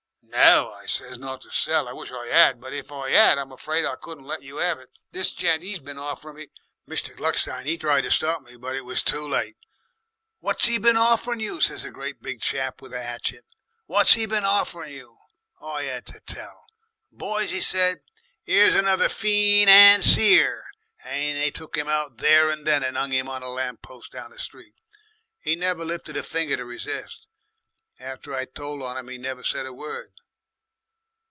"'No,' I says, 'not to sell. I wish I 'ad. But if I 'ad, I'm afraid I couldn't let you have it. This gent, 'e's been offerin' me ' "Mr. Gluckstein 'e tried to stop me, but it was too late. "'What's 'e been offerin' you?' says a great big chap with a 'atchet; 'what's 'e been offerin you?' I 'ad to tell. "'Boys,' 'e said, ''ere's another feenancier!' and they took 'im out there and then, and 'ung 'im on a lam'pose down the street. 'E never lifted a finger to resist. After I tole on 'im 'e never said a word...."